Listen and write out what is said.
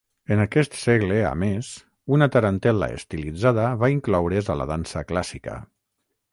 En aquest segle a més una tarantel·la estilitzada va incloure's a la dansa clàssica.